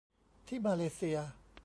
ที่มาเลเซีย